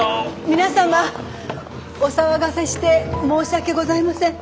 皆様お騒がせして申し訳ございません。